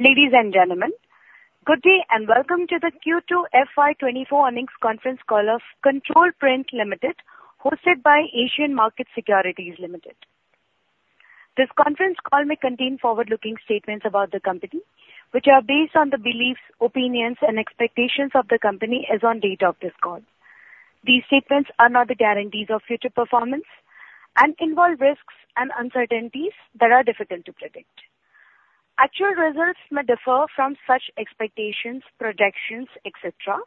Ladies and gentlemen, good day, and welcome to the Q2 FY 2024 earnings conference call of Control Print Limited, hosted by Asian Markets Securities Pvt. Ltd. This conference call may contain forward-looking statements about the company, which are based on the beliefs, opinions, and expectations of the company as on date of this call. These statements are not the guarantees of future performance and involve risks and uncertainties that are difficult to predict. Actual results may differ from such expectations, projections, et cetera,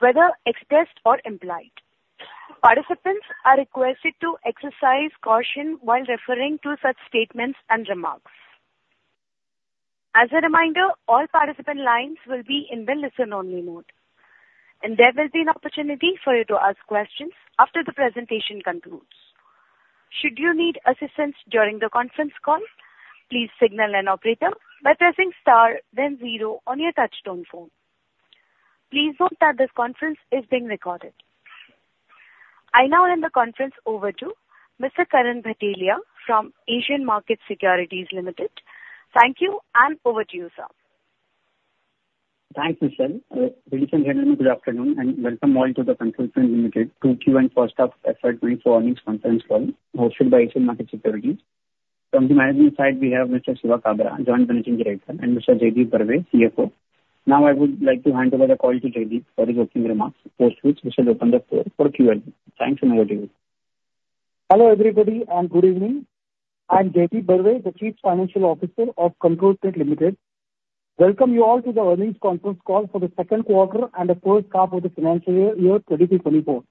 whether expressed or implied. Participants are requested to exercise caution while referring to such statements and remarks. As a reminder, all participant lines will be in the listen only mode, and there will be an opportunity for you to ask questions after the presentation concludes. Should you need assistance during the conference call, please signal an operator by pressing star, then zero on your touchtone phone. Please note that this conference is being recorded. I now hand the conference over to Mr. Karan Bhatelia from Asian Markets Securities Pvt. Ltd. Thank you, and over to you, sir. Thanks, Michelle. Ladies and gentlemen, good afternoon, and welcome all to the Control Print Limited 2Q and first half FY 2024 earnings conference call, hosted by Asian Markets Securities. From the management side, we have Mr. Shiva Kabra, Joint Managing Director, and Mr. Jaideep Barve, CFO. Now I would like to hand over the call to Jaideep for his opening remarks, after which we shall open the floor for Q&A. Thanks and over to you. Hello, everybody, and good evening. I'm Jaideep Barve, the Chief Financial Officer of Control Print Limited. Welcome you all to the earnings conference call for the second quarter and the first half of the financial year 2023-2024.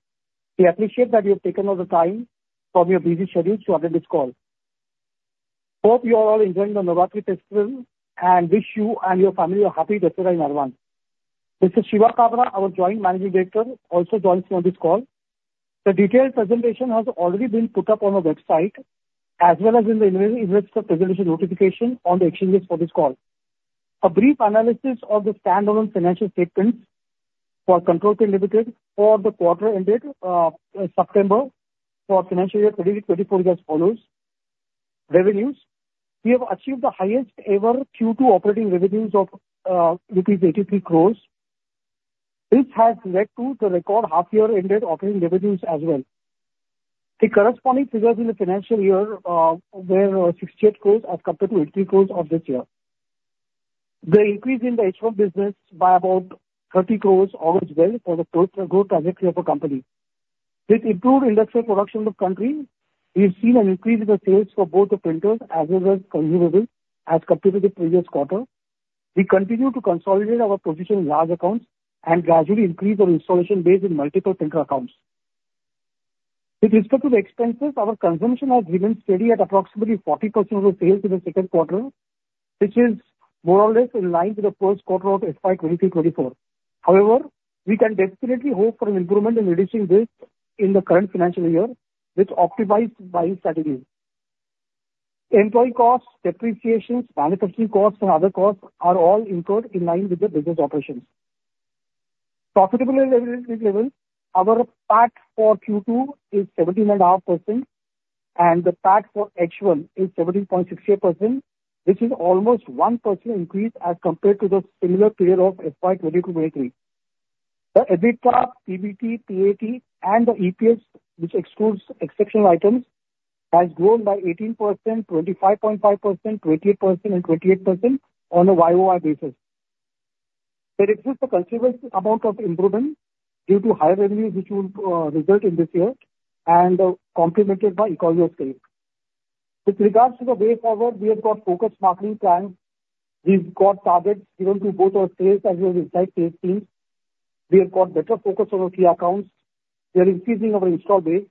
We appreciate that you've taken out the time from your busy schedule to attend this call. Hope you are all enjoying the Navratri festival, and wish you and your family a happy Dussehra in advance. Mr. Shiva Kabra, our Joint Managing Director, also joins me on this call. The detailed presentation has already been put up on our website, as well as in the presentation notification on the exchanges for this call. A brief analysis of the standalone financial statements for Control Print Limited for the quarter ended September for financial year 2023-2024 as follows: Revenues, we have achieved the highest ever Q2 operating revenues of rupees 83 crores. This has led to the record half year ended operating revenues as well. The corresponding figures in the financial year were 68 crores as compared to 80 crores of this year. The increase in the H1 business by about 30 crores augurs well for the growth trajectory of the company. With improved industrial production in the country, we've seen an increase in the sales for both the printers as well as consumables as compared to the previous quarter. We continue to consolidate our position in large accounts and gradually increase our installation base in multiple printer accounts. With respect to the expenses, our consumption has remained steady at approximately 40% of the sales in the second quarter, which is more or less in line with the first quarter of FY 2023-2024. However, we can definitely hope for an improvement in reducing this in the current financial year with optimized buying strategy. Employee costs, depreciations, manufacturing costs and other costs are all incurred in line with the business operations. Profitability level, our PAT for Q2 is 17.5%, and the PAT for H1 is 17.68%, which is almost 1% increase as compared to the similar period of FY 2022-2023. The EBITDA, PBT, PAT and the EPS, which excludes exceptional items, has grown by 18%, 25.5%, 28%, and 28% on a YoY basis. There is just a considerable amount of improvement due to higher revenue, which will result in this year and complemented by economy of scale. With regards to the way forward, we have got focused marketing plans. We've got targets given to both our sales as well as inside sales teams. We have got better focus on our key accounts. We are increasing our installed base,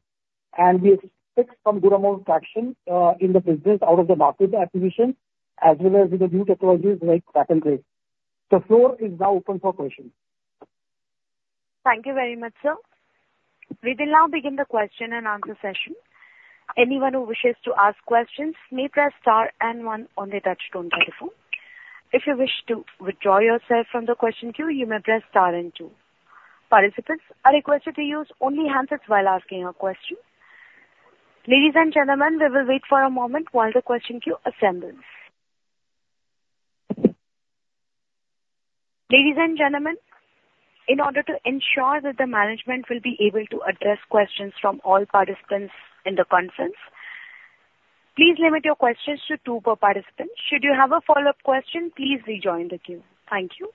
and we expect some good amount of traction in the business out of the Markprint acquisition, as well as with the new technologies like Cut and Crease. The floor is now open for questions. Thank you very much, sir. We will now begin the question and answer session. Anyone who wishes to ask questions may press star and one on their touchtone telephone. If you wish to withdraw yourself from the question queue, you may press star and two. Participants are requested to use only handsets while asking a question. Ladies and gentlemen, we will wait for a moment while the question queue assembles. Ladies and gentlemen, in order to ensure that the management will be able to address questions from all participants in the conference, please limit your questions to two per participant. Should you have a follow-up question, please rejoin the queue. Thank you.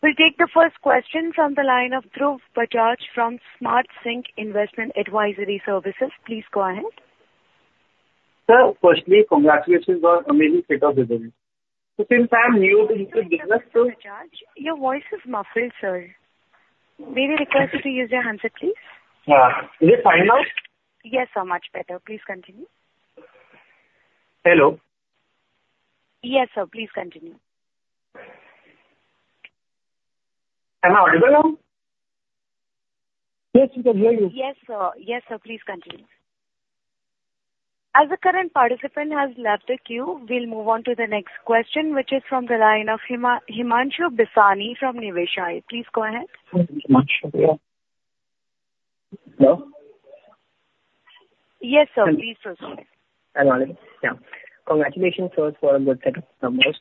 We'll take the first question from the line of Dhruv Bajaj from SmartSync Investment Advisory Services. Please go ahead. Sir, firstly, congratulations on amazing set of results. Since I'm new to this business, so- Bajaj, your voice is muffled, sir. May we request you to use your handset, please? Is it fine now? Yes, sir. Much better. Please continue. Hello? Yes, sir. Please continue. Am I audible now? Yes, we can hear you. Yes, sir. Yes, sir, please continue. As the current participant has left the queue, we'll move on to the next question, which is from the line of Himanshu Bisani from Niveshaay. Please go ahead. Himanshu, yeah. Hello?... Yes, sir, please go sir. Hi, yeah. Congratulations first for a good set of numbers.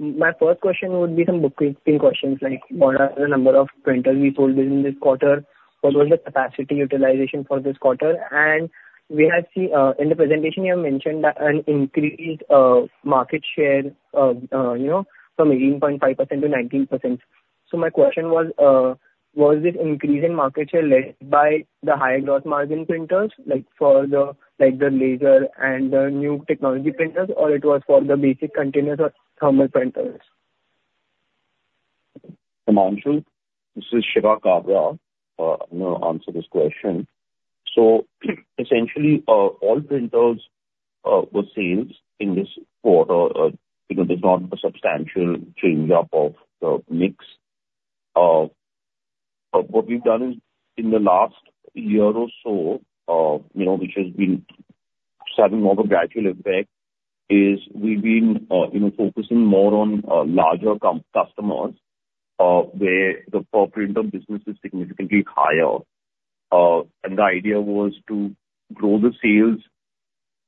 My first question would be some bookkeeping questions, like, what are the number of printers we sold in this quarter? What was the capacity utilization for this quarter? In the presentation you have mentioned that an increased market share, you know, from 18.5%-19%. So my question was, was this increase in market share led by the higher growth margin printers, like, for the, like, the laser and the new technology printers, or it was for the basic continuous or thermal printers? Himanshu, this is Shiva Kabra. I'm gonna answer this question. So essentially, all printers were sales in this quarter, you know, there's not a substantial change up of the mix. But what we've done is in the last year or so, you know, which has been having more of a gradual effect, is we've been, you know, focusing more on larger customers, where the per printer business is significantly higher. And the idea was to grow the sales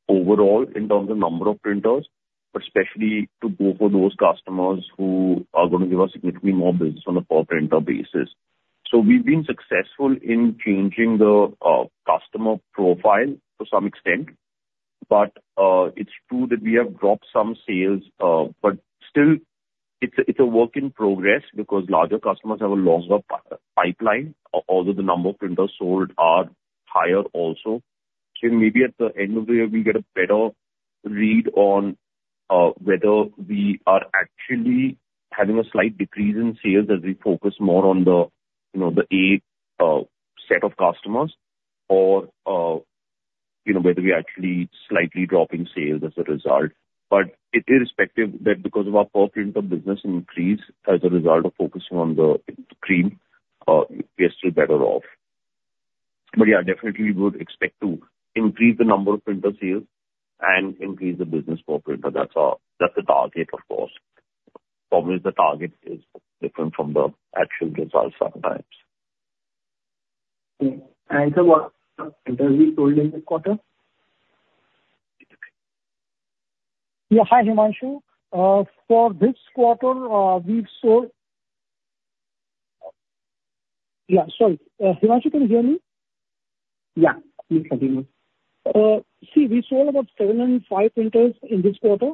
overall in terms of number of printers, but especially to go for those customers who are going to give us significantly more business on a per printer basis. So we've been successful in changing the customer profile to some extent, but it's true that we have dropped some sales, but still, it's a work in progress because larger customers have a longer pipeline, although the number of printers sold are higher also. So maybe at the end of the year, we get a better read on whether we are actually having a slight decrease in sales as we focus more on the you know the A set of customers or you know whether we are actually slightly dropping sales as a result. But irrespective that because of our per printer business increase as a result of focusing on the cream, we are still better off. But yeah, definitely we would expect to increase the number of printer sales and increase the business per printer. That's our... That's the target, of course. Problem is the target is different from the actual results sometimes. Okay, and about printers we sold in this quarter? Yeah, hi, Himanshu. For this quarter, we've sold... Yeah, sorry. Himanshu, can you hear me? Yeah. Please continue. See, we sold about 75 printers in this quarter.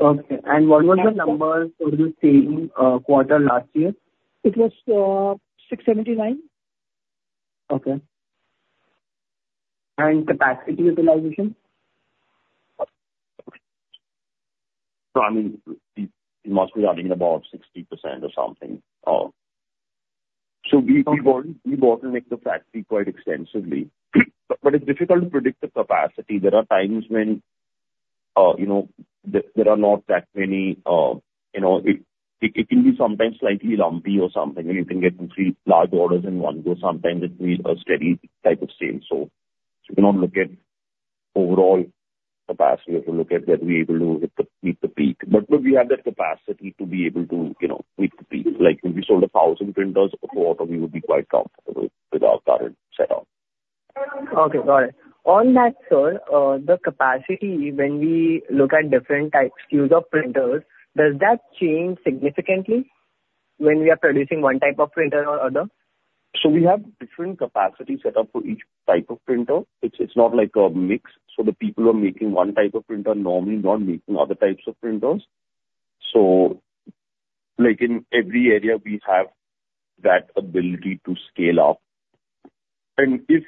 Okay. And what was the number for the same quarter last year? It was 679. Okay. Capacity utilization? So, I mean, it must be running about 60% or something. So we bottleneck the factory quite extensively, but it's difficult to predict the capacity. There are times when, you know, there are not that many, you know, it can be sometimes slightly lumpy or something, and you can get three large orders in one go, sometimes it's really a steady type of stream, so you cannot look at overall capacity to look at, where we are able to hit the, meet the peak. But no, we have that capacity to be able to, you know, meet the peak. Like, if we sold 1,000 printers a quarter, we would be quite comfortable with our current setup. Okay, got it. On that, sir, the capacity, when we look at different types, SKUs of printers, does that change significantly when we are producing one type of printer or other? So we have different capacity set up for each type of printer. It's not like a mix, so the people who are making one type of printer normally not making other types of printers. So, like, in every area, we have that ability to scale up. And if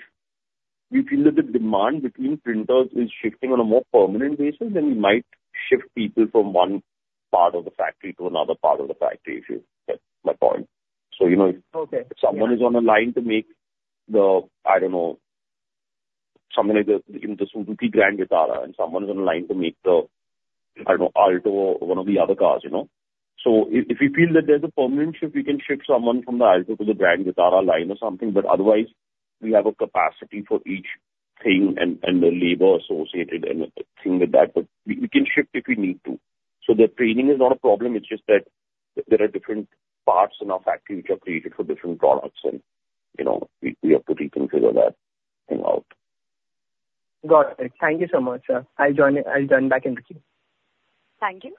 we feel that the demand between printers is shifting on a more permanent basis, then we might shift people from one part of the factory to another part of the factory, if you get my point. So, you know- Okay. If someone is on a line to make the, I don't know, something like the, you know, the Suzuki Grand Vitara, and someone is on line to make the, I don't know, Alto or one of the other cars, you know? So if we feel that there's a permanent shift, we can shift someone from the Alto to the Grand Vitara line or something, but otherwise, we have a capacity for each thing and, and the labor associated and the thing with that, but we, we can shift if we need to. So the training is not a problem, it's just that there are different parts in our factory which are created for different products, and, you know, we, we have to reconfigure that thing out. Got it. Thank you so much, sir. I'll join back in the queue. Thank you.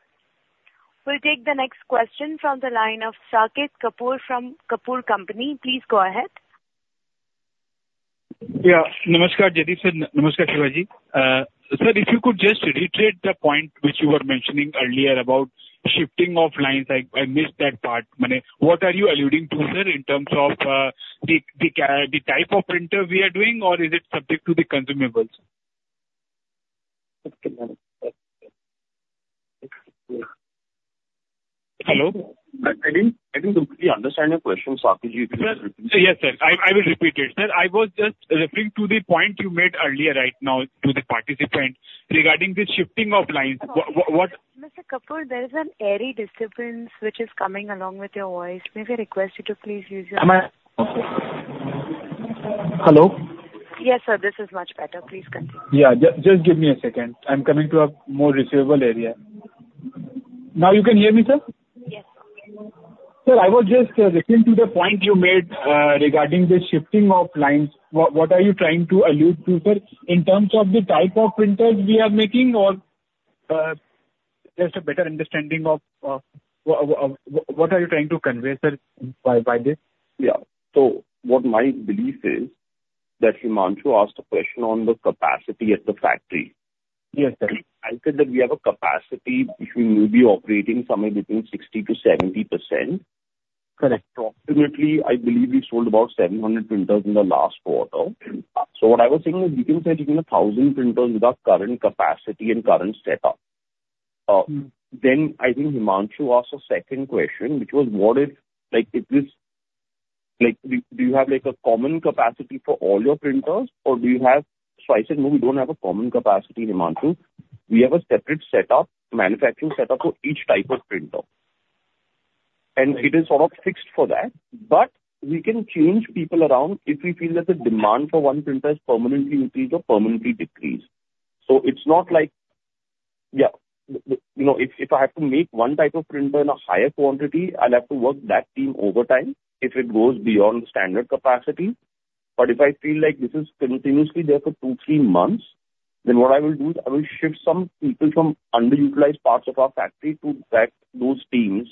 We'll take the next question from the line of Saket Kapoor from Kapoor & Co. Please go ahead. Yeah. Namaskar, Jagdish sir. Namaskar, Shiva Ji. Sir, if you could just reiterate the point which you were mentioning earlier about shifting of lines. I missed that part. I mean, what are you alluding to, sir, in terms of the type of printer we are doing, or is it subject to the consumables? Hello? I didn't completely understand your question, Saket Ji. Sir, yes, sir, I will repeat it. Sir, I was just referring to the point you made earlier, right now, to the participant regarding the shifting of lines. Mr. Kapoor, there is an airy disturbance which is coming along with your voice. May I request you to please use your- Am I... Hello? Yes, sir. This is much better. Please continue. Yeah, just give me a second. I'm coming to a more receivable area. Now you can hear me, sir? Sir, I was just listening to the point you made regarding the shifting of lines. What, what are you trying to allude to, sir? In terms of the type of printers we are making, or just a better understanding of what, what are you trying to convey, sir, by, by this? Yeah. So what my belief is, that Himanshu asked a question on the capacity at the factory. Yes, sir. I said that we have a capacity, which we will be operating somewhere between 60%-70%. Correct. Approximately, I believe we sold about 700 printers in the last quarter. So what I was saying was, we can sell even 1,000 printers with our current capacity and current setup. Then, I think Himanshu asked a second question, which was: What if, like, if this—like, do you have, like, a common capacity for all your printers, or do you have... So I said, "No, we don't have a common capacity, Himanshu. We have a separate setup, manufacturing setup, for each type of printer." And it is sort of fixed for that, but we can change people around if we feel that the demand for one printer is permanently increased or permanently decreased. So it's not like... Yeah. You know, if, if I have to make one type of printer in a higher quantity, I'll have to work that team over time if it goes beyond standard capacity. But if I feel like this is continuously there for two, three months, then what I will do is I will shift some people from underutilized parts of our factory to back those teams,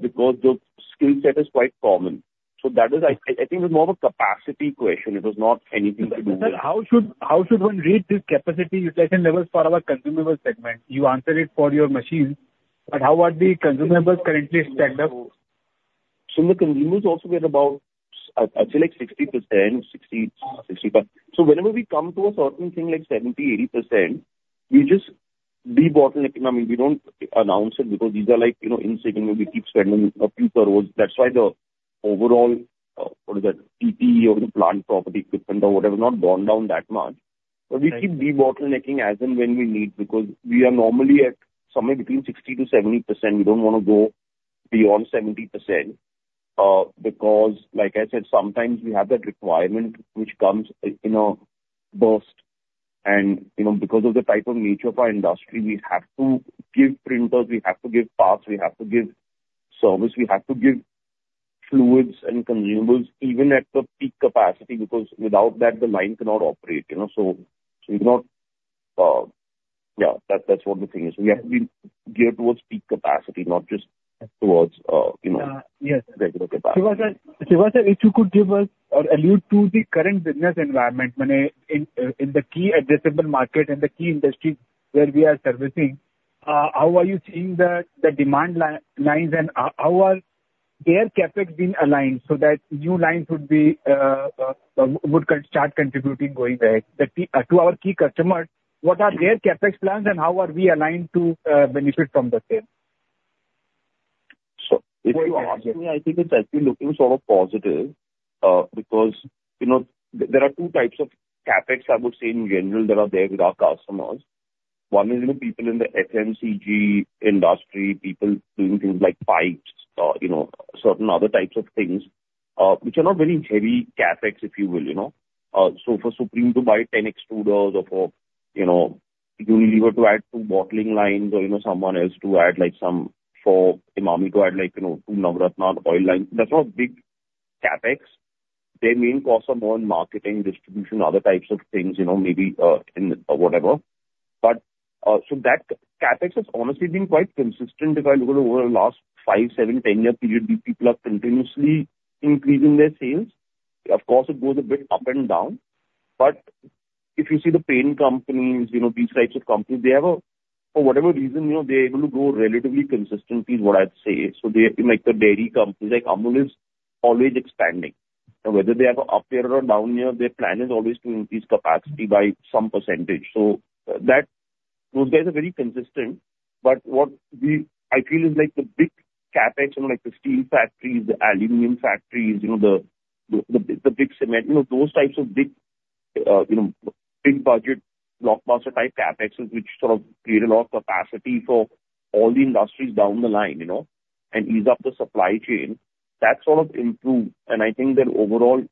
because the skill set is quite common. So that is, I, I think it was more of a capacity question. It was not anything to do with- How should one read the capacity utilization levels for our consumable segment? You answered it for your machines, but how are the consumables currently stacked up? So the consumables also we are about, I feel like 60%, 65%. So whenever we come to a certain thing, like 70%, 80%, we just debottleneck. I mean, we don't announce it because these are like, you know, insignificant. We keep spending a few crores. That's why the overall, what is that, PPE or the plant property equipment or whatever, not gone down that much. But we keep debottlenecking as and when we need, because we are normally at somewhere between 60%-70%. We don't want to go beyond 70%, because like I said, sometimes we have that requirement, which comes in a burst. You know, because of the type of nature of our industry, we have to give printers, we have to give parts, we have to give service, we have to give fluids and consumables even at the peak capacity, because without that, the line cannot operate, you know. So, it's not... Yeah, that's what the thing is. We have been geared towards peak capacity, not just towards, you know- Uh, yes. Regular capacity. Shiva sir, Shiva sir, if you could give us or allude to the current business environment, I mean, in the key addressable market and the key industries where we are servicing, how are you seeing the demand lines and how are their CapEx being aligned so that new lines would start contributing going ahead? The key to our key customers, what are their CapEx plans, and how are we aligned to benefit from the same? So if you ask me, I think it's actually looking sort of positive, because, you know, there, there are two types of CapEx I would say in general that are there with our customers. One is, you know, people in the FMCG industry, people doing things like pipes, you know, certain other types of things, which are not very heavy CapEx, if you will, you know. So for Supreme to buy 10 extruders or for, you know, Unilever to add two bottling lines or, you know, someone else to add, like, for Emami to add, like, you know, two Navratna Oil lines, that's not big CapEx. Their main cost are more on marketing, distribution, other types of things, you know, maybe, in whatever. But, so that CapEx has honestly been quite consistent. If I look at over the last five, seven, 10-year period, these people are continuously increasing their sales. Of course, it goes a bit up and down, but if you see the paint companies, you know, these types of companies, they have a... For whatever reason, you know, they're able to grow relatively consistently is what I'd say. So they, like the dairy companies, like Amul, is always expanding. And whether they have a up year or a down year, their plan is always to increase capacity by some percentage. So that, those guys are very consistent. But what we, I feel is, like, the big CapEx and, like, the steel factories, the aluminum factories, you know, the big cement, you know, those types of big, you know, big budget, blockbuster-type CapExes, which sort of create a lot of capacity for all the industries down the line, you know, and ease up the supply chain, that's sort of improved. And I think that overall,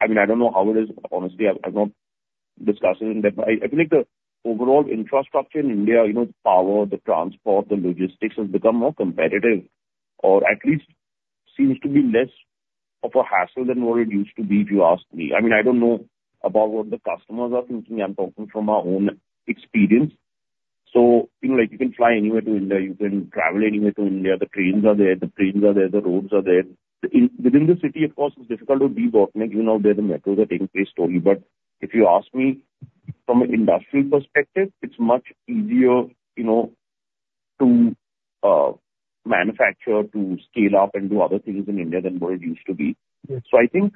I mean, I don't know how it is. Honestly, I've not discussed it in depth, but I feel like the overall infrastructure in India, you know, the power, the transport, the logistics, has become more competitive, or at least seems to be less of a hassle than what it used to be, if you ask me. I mean, I don't know about what the customers are thinking. I'm talking from my own experience. So, you know, like, you can fly anywhere to India, you can travel anywhere to India. The trains are there, the planes are there, the roads are there. Within the city, of course, it's difficult to debottleneck, you know, where the metros are taking place totally. But if you ask me, from an industrial perspective, it's much easier, you know, to manufacture, to scale up and do other things in India than what it used to be. Yes. So I think,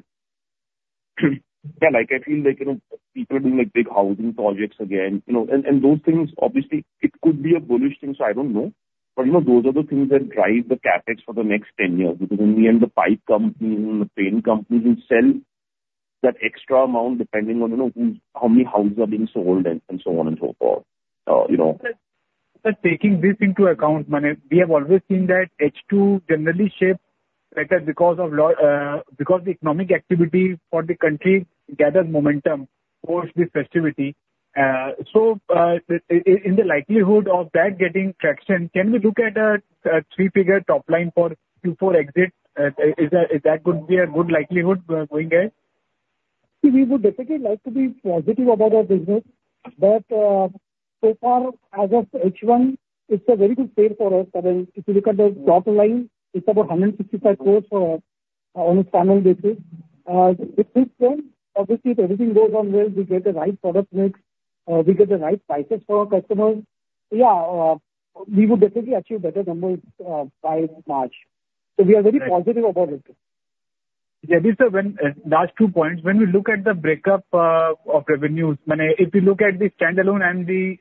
yeah, like, I feel like, you know, people are doing, like, big housing projects again, you know, and, and those things, obviously, it could be a bullish thing, so I don't know. But, you know, those are the things that drive the CapEx for the next 10 years, because in the end, the pipe companies and the paint companies will sell that extra amount, depending on, you know, who, how many houses are being sold and so on and so forth, you know. But taking this into account, I mean, we have always seen that H2 generally shapes up because the economic activity for the country gathers momentum towards the festivity. So, in the likelihood of that getting traction, can we look at a three-figure top line for Q4 exit? Is that, is that going to be a good likelihood we are going there? We would definitely like to be positive about our business. But so far, as of H1, it's a very good state for us. I mean, if you look at the top line, it's about 165 crore on an annual basis. It is then, obviously, if everything goes on well, we get the right product mix, we get the right prices for our customers. Yeah, we would definitely achieve better numbers by March. So we are very positive about it. Yeah, sir, when last two points, when we look at the breakup of revenues, I mean, if you look at the standalone and the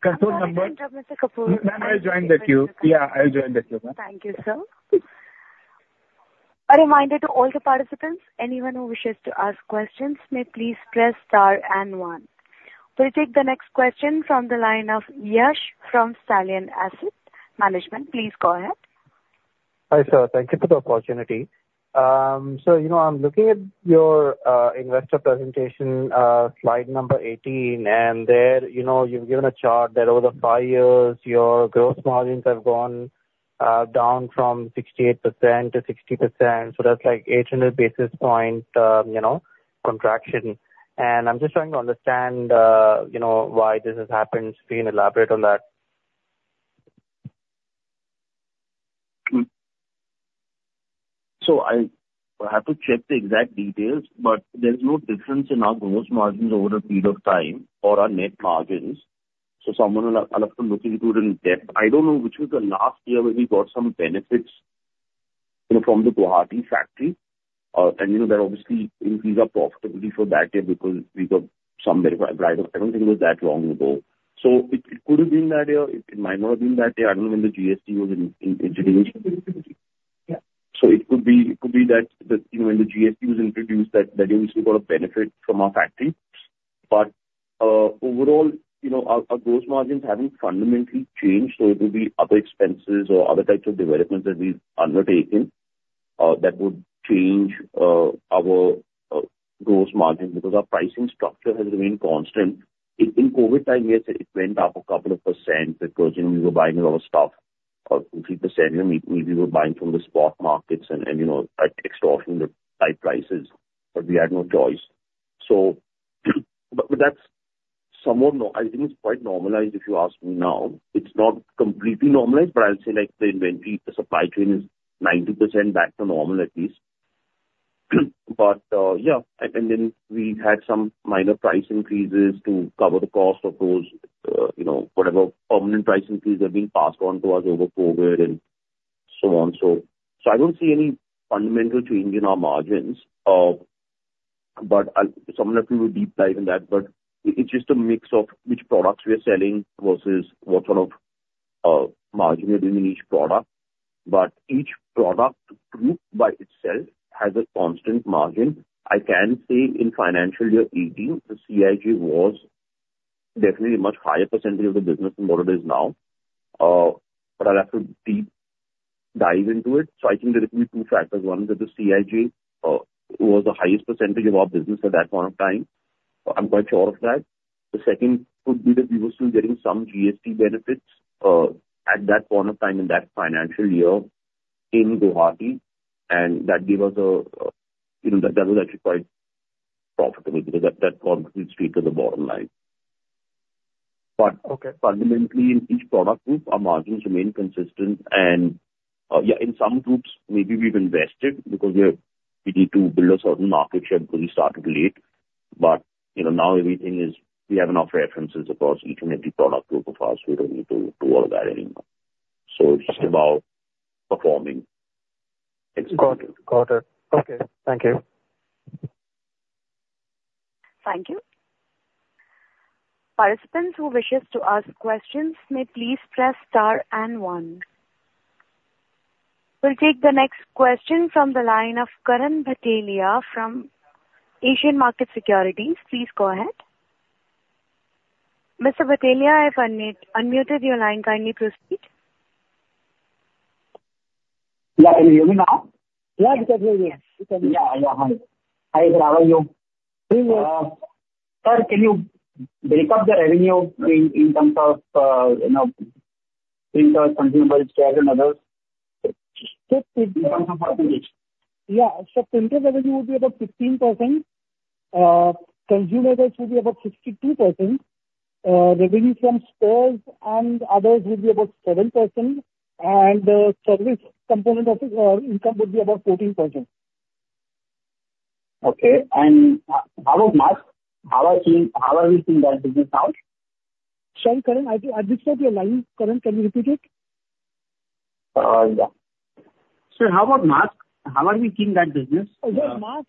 consolidated numbers- One moment, Mr. Kapoor. Ma'am, I'll join the queue. Yeah, I'll join the queue. Thank you, sir. A reminder to all the participants, anyone who wishes to ask questions may please press star and one. We'll take the next question from the line of Yash from Stallion Asset Management. Please go ahead. Hi, sir. Thank you for the opportunity. So, you know, I'm looking at your investor presentation, slide number 18. And there, you know, you've given a chart that over the five years, your gross margins have gone down from 68%-60%. So that's like 800 basis points contraction. And I'm just trying to understand why this has happened. Can you elaborate on that? So I have to check the exact details, but there's no difference in our gross margins over the period of time or our net margins. So someone will have, I'll have to look into it in depth. I don't know which was the last year where we got some benefits, you know, from the Guwahati factory. And you know, that obviously increased our profitability for that year because we got some benefit, but I don't think it was that long ago. So it could have been that year, it might not have been that year. I don't know when the GST was introduced. Yeah. So it could be, it could be that, you know, when the GST was introduced that instantly got a benefit from our factory. Overall, you know, our gross margins haven't fundamentally changed, so it will be other expenses or other types of developments that we've undertaken that would change our gross margin because our pricing structure has remained constant. In COVID time, yes, it went up a couple of percent because, you know, we were buying a lot of stuff. 50%, and we were buying from the spot markets and, you know, at extortionate high prices, but we had no choice. But that's somewhat. I think it's quite normalized, if you ask me now. It's not completely normalized, but I'll say, like, the inventory, the supply chain is 90% back to normal at least. But yeah, and then we had some minor price increases to cover the cost of those, you know, whatever permanent price increases are being passed on to us over COVID and so on. So I don't see any fundamental change in our margins. But I'll... Someone will have to do a deep dive in that, but it's just a mix of which products we are selling versus what sort of margin we are doing in each product. But each product group by itself has a constant margin. I can say in financial year 2018, the CIJ was definitely a much higher percentage of the business than what it is now. But I'll have to deep dive into it. So I think there are two factors. One, that the CIJ was the highest percentage of our business at that point of time. I'm quite sure of that. The second could be that we were still getting some GST benefits, at that point of time, in that financial year, in Guwahati, and that gave us a, you know, that was actually quite profitable because that, that contributed straight to the bottom line. But- Okay. Fundamentally, in each product group, our margins remain consistent. In some groups, maybe we've invested because we need to build a certain market share because we started late. But you know, now everything is... We have enough references across each and every product group of ours. We don't need to do all that anymore. So it's just about performing. Got it. Got it. Okay. Thank you. Thank you. Participants who wish to ask questions may please press star and one. We'll take the next question from the line of Karan Bhatelia from Asian Markets Securities. Please go ahead. Mr. Bhatia, I've unmuted your line. Kindly proceed. Yeah, can you hear me now? Yeah, we can hear you. Yeah, yeah. Hi. Hi, how are you? Very well. Sir, can you break up the revenue in terms of, you know, printers, consumables, spares and others? In terms of percentage. Yeah. So printer revenue will be about 15%, consumables will be about 62%, revenue from spares and others will be about 7%, and the service component of income will be about 14%. Okay. And, how about masks? How are things? How are we seeing that business now? Sorry, Karan, I missed out your line. Karan, can you repeat it? Yeah. So how about masks? How are we seeing that business? Yeah, masks,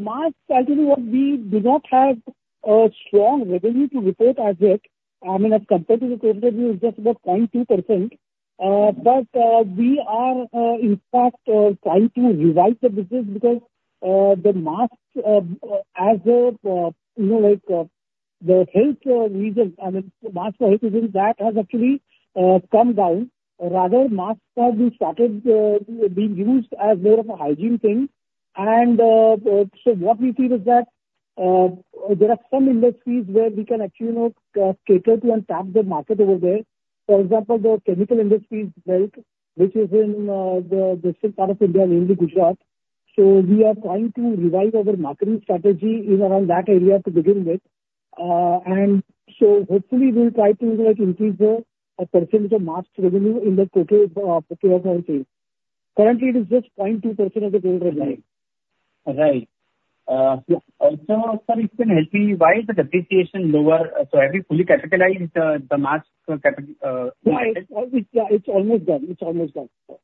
masks, I'll tell you what, we do not have a strong revenue to report as yet. I mean, as compared to the total revenue, it's just about 0.2%. But, we are, in fact, trying to revive the business because, the masks, as a, you know, like-... The health reason, I mean, masks for health reason, that has actually come down. Rather, masks have been started being used as more of a hygiene thing. And so what we see is that there are some industries where we can actually, you know, cater to and tap the market over there. For example, the chemical industries belt, which is in the western part of India, mainly Gujarat. So we are trying to revise our marketing strategy in around that area to begin with. And so hopefully we'll try to, like, increase the, a percentage of masks revenue in the total total sales. Currently it is just 0.2% of the total revenue. Right. So also, sir, if you can help me, why is the depreciation lower? So have you fully capitalized the mask CapEx? No, it's, it's almost done. It's almost done, sir.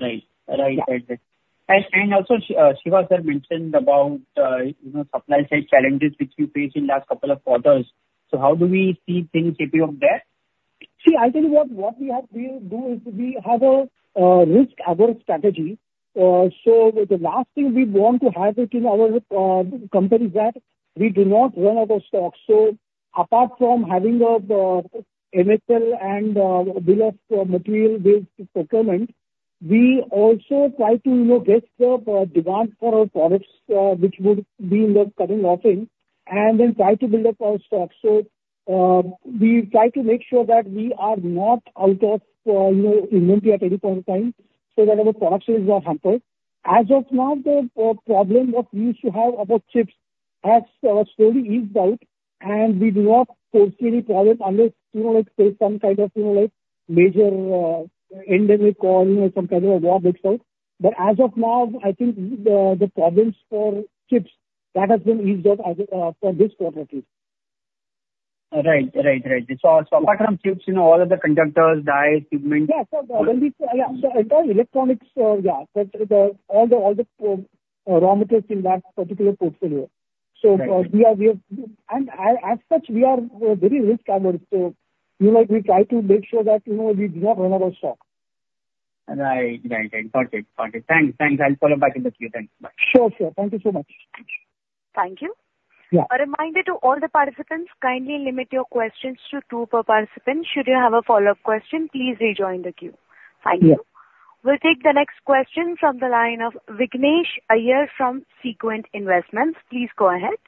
Right. Right, right, right. Yeah. And also, Shiva sir mentioned about, you know, supply side challenges which you faced in last couple of quarters. So how do we see things shaping up there? See, I'll tell you what we have, we do is we have a risk-averse strategy. So the last thing we want to have it in our company is that we do not run out of stock. So apart from having a ML and bill of material-based procurement, we also try to, you know, guess the demand for our products, which would be in the coming months in, and then try to build up our stock. So we try to make sure that we are not out of, you know, inventory at any point in time, so that our production is not hampered. As of now, the problem that we used to have about chips has slowly eased out, and we do not foresee any problem unless, you know, like, say, some kind of, you know, like, major pandemic or, you know, some kind of a war breaks out. But as of now, I think the problems for chips that has been eased out as of for this quarter at least. Right. So, apart from chips, you know, all other conductors, dies, segments- Yeah. So when we... So entire electronics, yeah. So the, all the, all the, raw materials in that particular portfolio. Right. So, we are. And as such, we are very risk-averse, so, you know, we try to make sure that, you know, we do not run out of stock. Right. Right, right. Got it, got it. Thanks, thanks. I'll follow back in the queue then. Bye. Sure, sir. Thank you so much. Thank you. Yeah. A reminder to all the participants, kindly limit your questions to two per participant. Should you have a follow-up question, please rejoin the queue. Thank you. Yeah. We'll take the next question from the line of Vignesh Iyer from Sequent Investments. Please go ahead.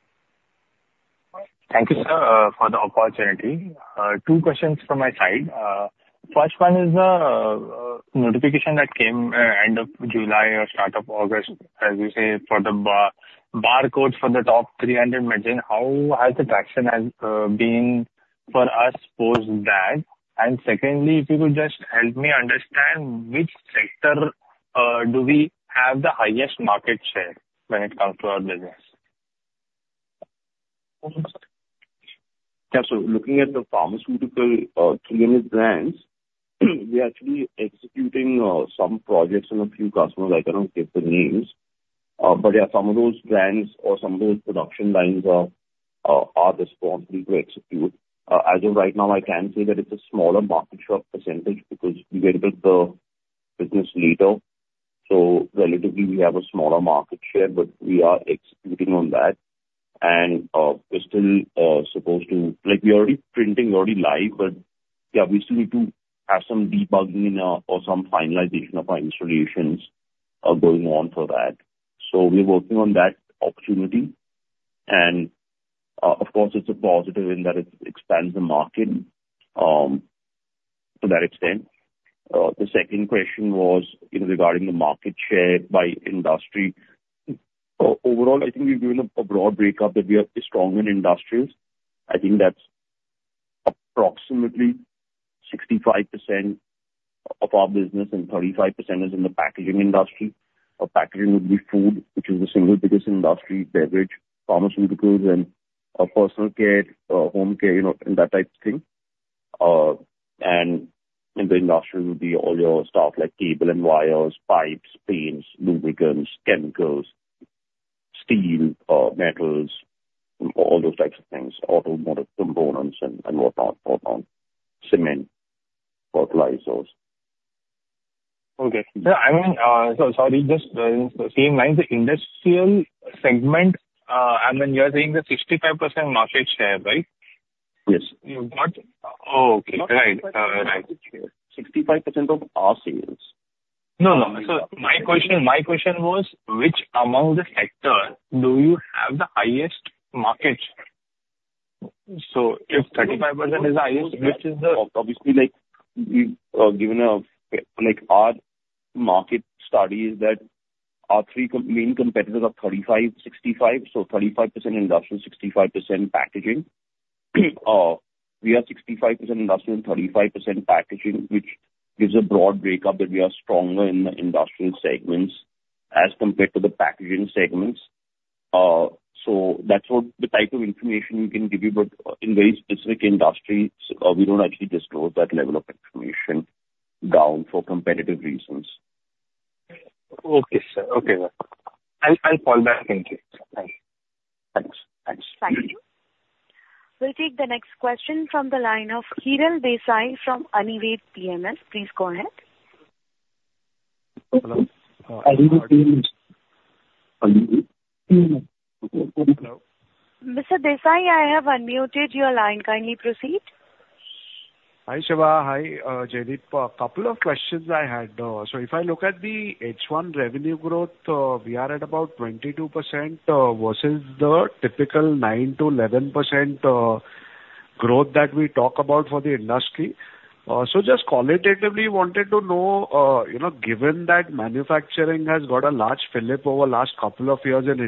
Thank you, sir, for the opportunity. Two questions from my side. First one is, notification that came, end of July or start of August, as you say, for the barcodes for the top 300 machine. How has the traction been for us post that? And secondly, if you could just help me understand which sector do we have the highest market share when it comes to our business? Yeah, so looking at the pharmaceutical, 300 brands, we are actually executing, some projects in a few customers. I cannot give the names. But, yeah, some of those brands or some of those production lines are responsible to execute. As of right now, I can say that it's a smaller market share percentage because we entered the business later, so relatively, we have a smaller market share, but we are executing on that. And, we're still supposed to... Like, we are already printing, we're already live, but yeah, we still need to have some debugging, or some finalization of our installations, going on for that. So we're working on that opportunity, and, of course, it's a positive in that it expands the market, to that extent. The second question was, you know, regarding the market share by industry. Overall, I think we've given a broad breakup, that we are strong in industrials. I think that's approximately 65% of our business and 35% is in the packaging industry. Packaging would be food, which is the single biggest industry, beverage, pharmaceuticals, and personal care, home care, you know, and that type of thing. And in the industrial would be all your stuff like cable and wires, pipes, paints, lubricants, chemicals, steel, metals, and all those types of things, automotive components and whatnot, whatnot. Cement, fertilizers. Okay. Yeah, I mean, so sorry, just, same line, the industrial segment, I mean, you are saying the 65% market share, right? Yes. But... Oh, okay. Right. right. 65% of our sales. No, no. So my question, my question was: Which among the sector do you have the highest market share? So if 35% is the highest, which is Obviously, like, we've given a, like, our market study is that our three main competitors are 35%, 65%, so 35% industrial, 65% packaging. We are 65% industrial and 35% packaging, which gives a broad breakup that we are stronger in the industrial segments as compared to the packaging segments. So that's what the type of information we can give you, but in very specific industries, we don't actually disclose that level of information down for competitive reasons. Okay, sir. Okay, sir. I'll, I'll call back in case. Thank you. Thanks, thanks. Thank you. We'll take the next question from the line of Hiral Desai from Anived PMS. Please go ahead.... Hello? Hello. Mr. Desai, I have unmuted your line. Kindly proceed. Hi, Shiva. Hi, Jaideep. A couple of questions I had. So if I look at the H1 revenue growth, we are at about 22%, versus the typical 9%-11% growth that we talk about for the industry. So just qualitatively wanted to know, you know, given that manufacturing has got a large fillip over last couple of years in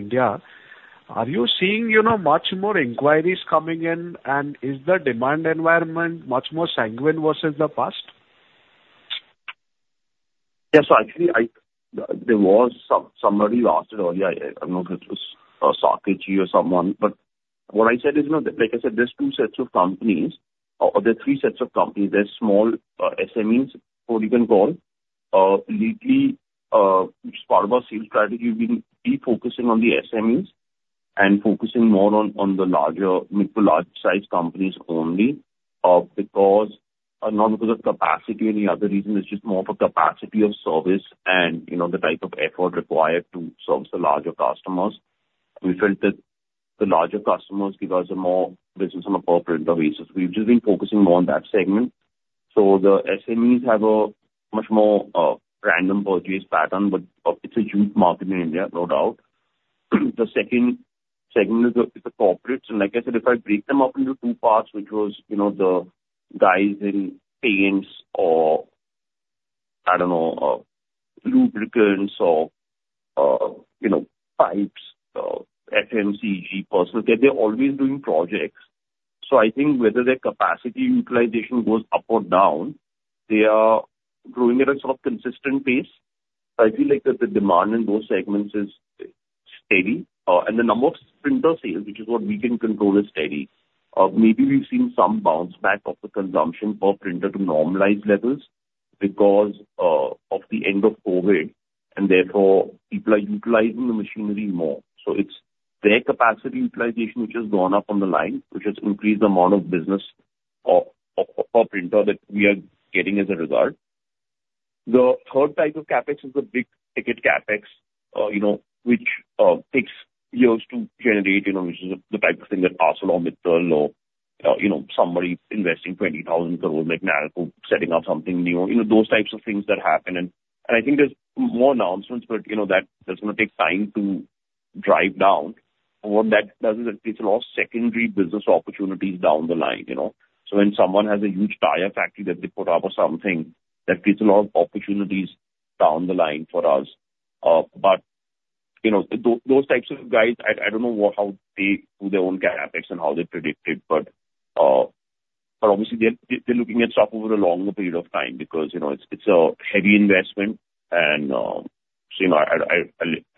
India, are you seeing, you know, much more inquiries coming in, and is the demand environment much more sanguine versus the past? Yes. So actually, there was somebody who asked it earlier. I don't know if it was Saket or someone, but what I said is, you know, like I said, there's two sets of companies, or there are three sets of companies. There's small, SMEs, or you can call, lately, as part of our sales strategy, we've been refocusing on the SMEs and focusing more on the larger, mid to large size companies only, because... Not because of capacity or any other reason, it's just more of a capacity of service and, you know, the type of effort required to service the larger customers. We felt that the larger customers give us a more business on a per printer basis. We've just been focusing more on that segment. So the SMEs have a much more random purchase pattern, but it's a huge market in India, no doubt. The second segment is the corporates, and like I said, if I break them up into two parts, which was, you know, the guys in paints or, I don't know, lubricants or, you know, pipes, FMCG, personal care, they're always doing projects. So I think whether their capacity utilization goes up or down, they are growing at a sort of consistent pace. So I feel like that the demand in those segments is steady, and the number of printer sales, which is what we can control, is steady. Maybe we've seen some bounce back of the consumption per printer to normalized levels because of the end of COVID, and therefore, people are utilizing the machinery more. So it's their capacity utilization which has gone up on the line, which has increased the amount of business of per printer that we are getting as a result. The third type of CapEx is the big ticket CapEx, you know, which takes years to generate, you know, which is the type of thing that ArcelorMittal or, you know, somebody investing 20,000 crore, like NALCO, setting up something new. You know, those types of things that happen. And I think there's more announcements, but, you know, that's gonna take time to drive down. And what that does is it creates a lot of secondary business opportunities down the line, you know? So when someone has a huge tire factory that they put up or something, that creates a lot of opportunities down the line for us. But, you know, those types of guys, I don't know what, how they do their own CapEx and how they predict it, but, but obviously they're looking at stuff over a longer period of time because, you know, it's a heavy investment and, so, you know,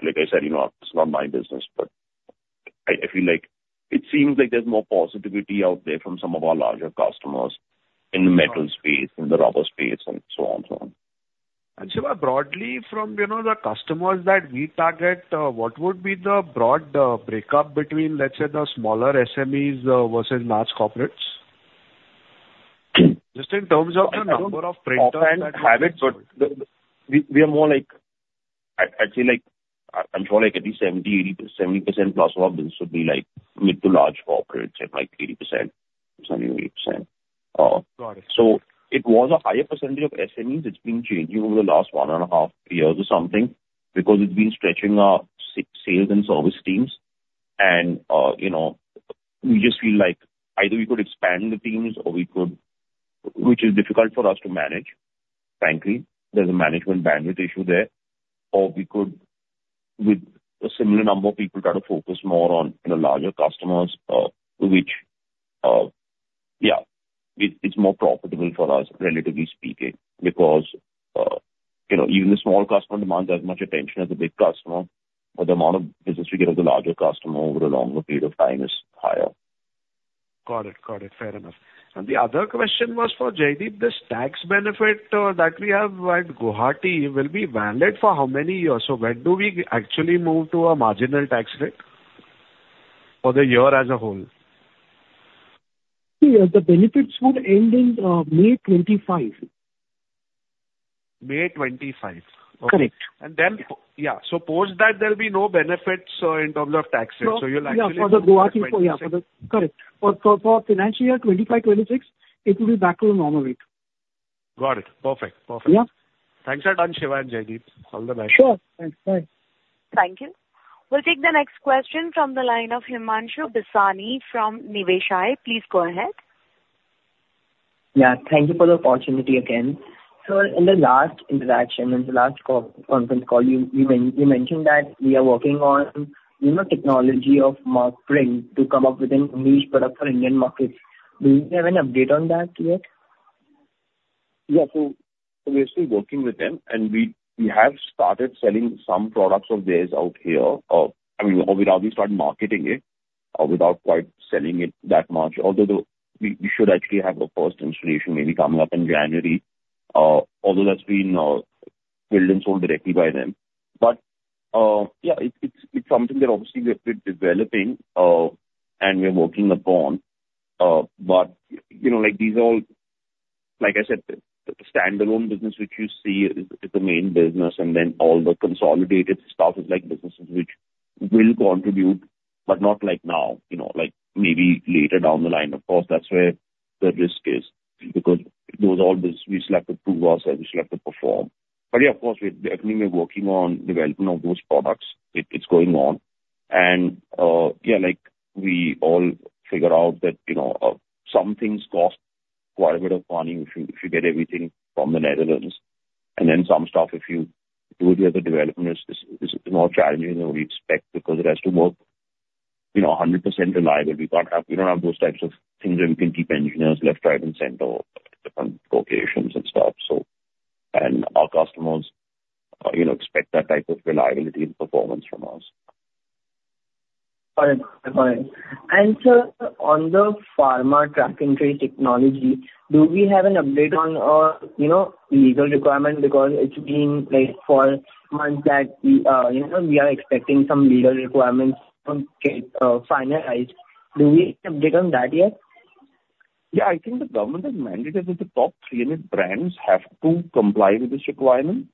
like I said, you know, it's not my business, but I feel like it seems like there's more positivity out there from some of our larger customers in the metal space, in the rubber space, and so on, so on. Shiva, broadly from, you know, the customers that we target, what would be the broad breakup between, let's say, the smaller SMEs versus large corporates? Just in terms of the number of printers that have it, but we are more like... I'd say, like, I'm sure like at least 70%, 80%, 70%+ of our business would be like mid to large corporates and like 80%, 78%. Got it. So it was a higher percentage of SMEs. It's been changing over the last one and a half years or something, because it's been stretching our sales and service teams. And, you know, we just feel like either we could expand the teams or we could, which is difficult for us to manage, frankly, there's a management bandwidth issue there. Or we could, with a similar number of people, try to focus more on the larger customers, which, yeah, it's, it's more profitable for us, relatively speaking, because, you know, even the small customer demands as much attention as the big customer, but the amount of business we get of the larger customer over a longer period of time is higher. Got it. Got it. Fair enough. And the other question was for Jaideep. This tax benefit that we have at Guwahati will be valid for how many years? So when do we actually move to a marginal tax rate for the year as a whole? Yeah. The benefits would end in May 2025. May 2025. Correct. And then, yeah, so post that there'll be no benefits in terms of tax rate. No. So you'll actually- Yeah, for the Guwahati, yeah, correct. For financial year 2025, 2026, it will be back to the normal rate. Got it. Perfect. Perfect. Yeah. Thanks a ton, Shiva and Jaideep. All the best. Sure. Thanks, bye. Thank you. We'll take the next question from the line of Himanshu Bisani from Niveshaay. Please go ahead. Yeah, thank you for the opportunity again. So in the last interaction, in the last conference call, you mentioned that we are working on, you know, technology of Markprint to come up with a niche product for Indian markets. Do you have an update on that yet? Yeah. So, so we're still working with them, and we, we have started selling some products of theirs out here. I mean, we've already started marketing it, without quite selling it that much, although the. We, we should actually have the first installation maybe coming up in January, although that's been, built and sold directly by them. But, yeah, it's, it's, it's something that obviously we're, we're developing, and we're working upon. But, you know, like, these are all, like I said, the standalone business which you see is, is the main business, and then all the consolidated stuff is like businesses which will contribute, but not like now, you know, like maybe later down the line. Of course, that's where the risk is, because those all bus- we still have to prove ourselves, we still have to perform. But yeah, of course, we're definitely working on development of those products. It's going on. And yeah, like, we all figure out that, you know, some things cost quite a bit of money if you, if you get everything from the Netherlands, and then some stuff, if you do the other development, is more challenging than we expect because it has to work, you know, a 100% reliable. We can't have. We don't have those types of things where we can keep engineers left, right, and center on locations and stuff, so. And our customers, you know, expect that type of reliability and performance from us. Got it. Got it. And sir, on the pharma track and trace technology, do we have an update on, you know, legal requirement? Because it's been like four months that, you know, we are expecting some legal requirements on getting finalized. Do we have update on that yet? Yeah, I think the government has mandated that the top 300 brands have to comply with this requirement.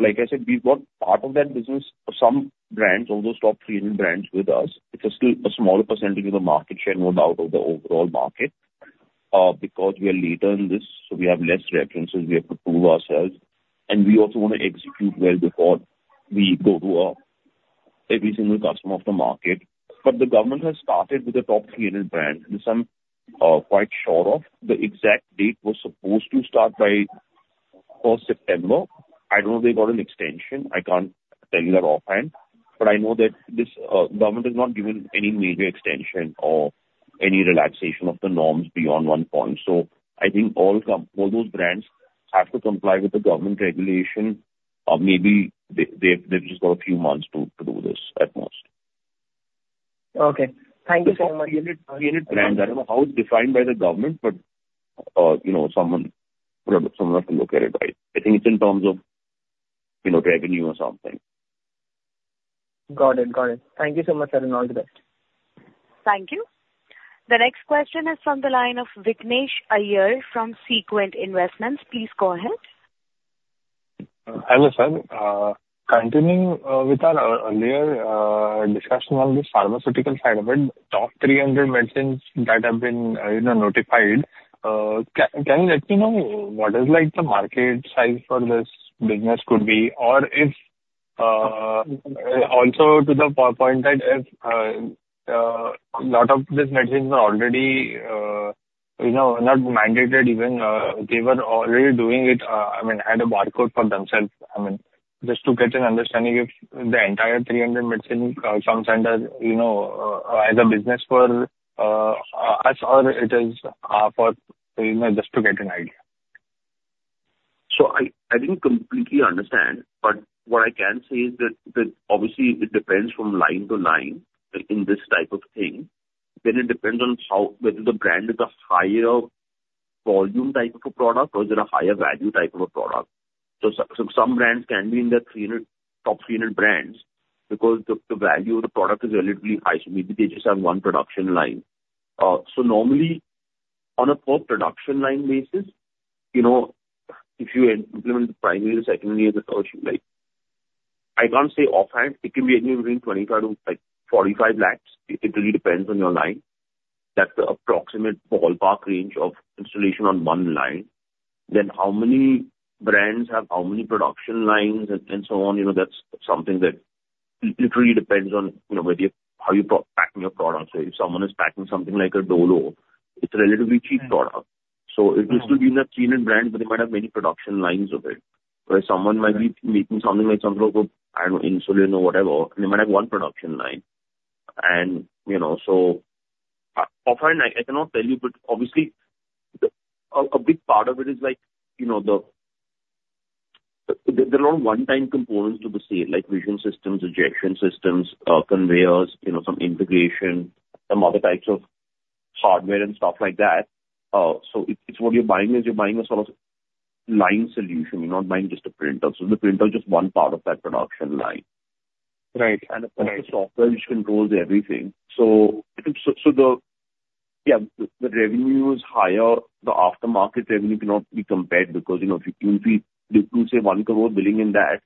Like I said, we've got part of that business for some brands, all those top 300 brands with us. It is still a smaller percentage of the market share, no doubt, of the overall market, because we are later in this, so we have less references, we have to prove ourselves. And we also want to execute well before we go to, every single customer of the market. But the government has started with the top 300 brands, and I'm quite sure of the exact date was supposed to start by first September. I don't know if they got an extension. I can't tell you that offhand, but I know that this government has not given any major extension or any relaxation of the norms beyond one point. So I think all those brands have to comply with the government regulation, or maybe they've just got a few months to do this at most. Okay. Thank you so much. 300 brands, I don't know how it's defined by the government, but, you know, someone would have to, someone have to look at it right. I think it's in terms of, you know, revenue or something. Got it. Got it. Thank you so much, sir, and all the best. Thank you. The next question is from the line of Vignesh Iyer from Sequent Investments. Please go ahead. Hello, sir. Continuing with our earlier discussion on the pharmaceutical side of it, top 300 medicines that have been, you know, notified, can you let me know what is like the market size for this business could be? Or if a lot of these medicines are already, you know, not mandated, even, they were already doing it, I mean, had a barcode for themselves. I mean, just to get an understanding if the entire 300 medicine comes under, you know, as a business for us, or it is, for you know, just to get an idea. So I didn't completely understand, but what I can say is that obviously it depends from line to line in this type of thing. Then it depends on how whether the brand is a higher volume type of a product or is it a higher value type of a product. So so some brands can be in the 300, top 300 brands because the value of the product is relatively high, so maybe they just have one production line. So normally, on a per production line basis, you know, if you implement the primary and secondary as a third, like, I can't say offhand, it can be anywhere between 25-45 lakhs. It really depends on your line. That's the approximate ballpark range of installation on one line. How many brands have how many production lines and, and so on, you know, that's something that literally depends on, you know, whether you... How you pro- packing your products. If someone is packing something like a Dolo, it's a relatively cheap product. It could still be in the 300 brands, but they might have many production lines of it. Whereas someone might be making something like some type of, I don't know, insulin or whatever, and they might have one production line. You know, so offhand, I cannot tell you, but obviously the... A big part of it is like, you know, there are a lot of one-time components to the sale, like vision systems, ejection systems, conveyors, you know, some integration, some other types of hardware and stuff like that. So what you're buying is, you're buying a sort of line solution, you're not buying just a printer. So the printer is just one part of that production line. Right. Of course, the software which controls everything. So the... Yeah, the revenue is higher. The aftermarket revenue cannot be compared because, you know, if you see, if you see 1 crore billing in that,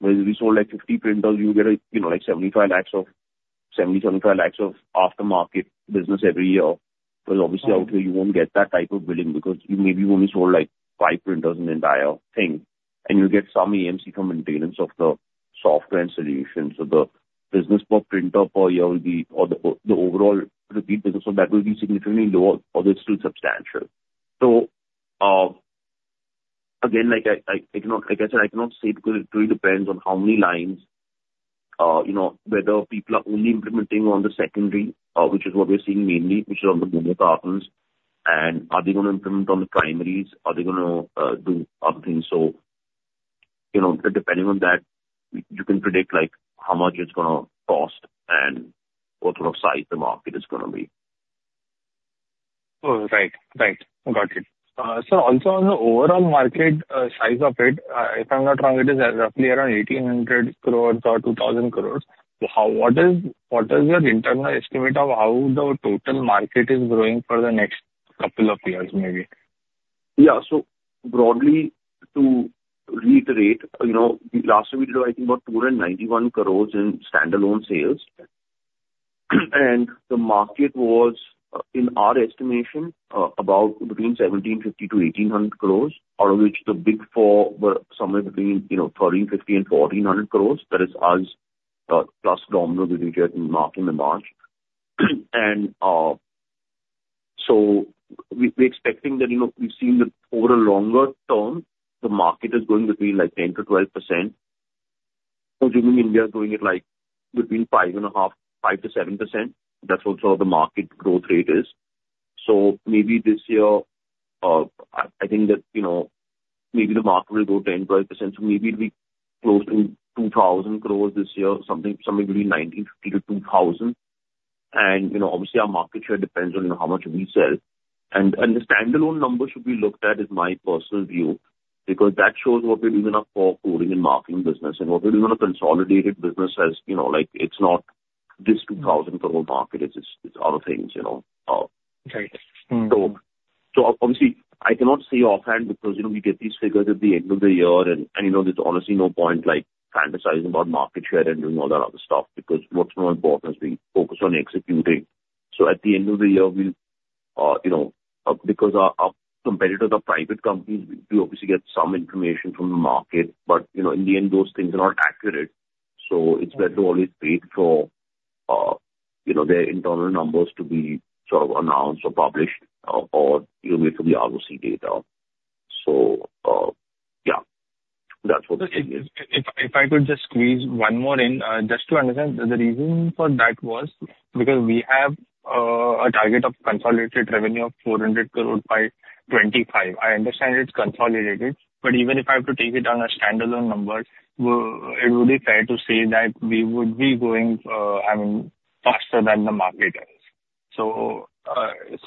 where we sold, like, 50 printers, you get a, you know, like 75 lakhs of, seventy-five lakhs of aftermarket business every year. But obviously, out here, you won't get that type of billing because you maybe only sold, like, five printers in the entire thing, and you'll get some AMC from maintenance of the software and solutions. So the business per printer per year will be, or the overall repeat business of that will be significantly lower, although still substantial. So, again, like I said, I cannot say because it really depends on how many lines, you know, whether people are only implementing on the secondary, which is what we're seeing mainly, which is on the glue cartons, and are they gonna implement on the primaries? Are they gonna do other things? So, you know, depending on that, you can predict, like, how much it's gonna cost and what sort of size the market is gonna be. Oh, right. Right. Got it. So also on the overall market, size of it, if I'm not wrong, it is roughly around 1,800 crore or 2,000 crore. So how, what is, what is your internal estimate of how the total market is growing for the next couple of years, maybe? Yeah, so broadly, to reiterate, you know, last year we did, I think, about 291 crore in standalone sales. The market was, in our estimation, about between 1,750 crore-1,800 crore, out of which the big four were somewhere between, you know, 1,350 crore-1,400 crore. That is us, plus Domino, which we get in the market in March. We're expecting that, you know, we've seen that over a longer term, the market is growing between, like, 10%-12%. Consuming India is growing at, like, between 5.5%, 5%-7%. That's also what the market growth rate is. So maybe this year, I think that, you know, maybe the market will grow 10%-12%, so maybe it'll be close to 2,000 crore this year, something, something between 1,950 crore-2,000 crore. And, you know, obviously, our market share depends on how much we sell. And the standalone numbers should be looked at, is my personal view, because that shows what we're doing in our core coding and marking business and what we're doing on a consolidated business, as, you know, like, it's not this 2,000 crore market. It's other things, you know. Right. Mm. So, obviously, I cannot say offhand because, you know, we get these figures at the end of the year, and, you know, there's honestly no point, like, fantasizing about market share and doing all that other stuff, because what's more important is we focus on executing. So at the end of the year, we'll, you know, because our competitors are private companies, we obviously get some information from the market, but, you know, in the end, those things are not accurate. So it's better to always wait for, you know, their internal numbers to be sort of announced or published, or, you know, wait for the ROC data. So, yeah. That's what it is. If I could just squeeze one more in, just to understand, the reason for that was because we have a target of consolidated revenue of 400 crore by 2025. I understand it's consolidated, but even if I have to take it on a standalone number, it would be fair to say that we would be growing, I mean, faster than the market is. So,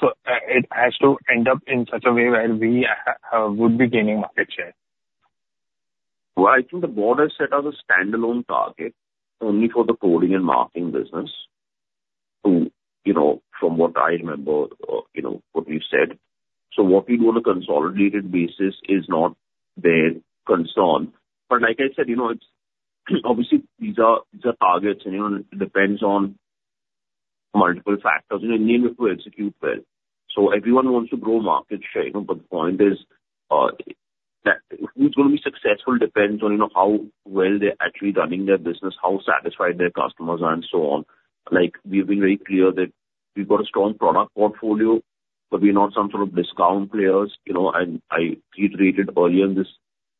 so, it has to end up in such a way where we would be gaining market share? Well, I think the board has set us a standalone target only for the coding and marking business to, you know, from what I remember, you know, what we've said. So what we do on a consolidated basis is not their concern. But like I said, you know, it's obviously, these are the targets, and, you know, it depends on multiple factors, and in the end, we have to execute well. So everyone wants to grow market share, you know, but the point is, that who's gonna be successful depends on, you know, how well they're actually running their business, how satisfied their customers are, and so on. Like, we've been very clear that we've got a strong product portfolio, but we're not some sort of discount players, you know, and I reiterated earlier in this